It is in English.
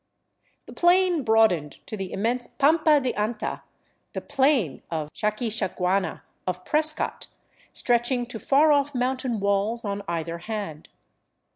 The plain broadened to the immense Pampa de Anta, the " plain of Xaquixaguana " of Prescott, stretching to far off mountain walls on either hand.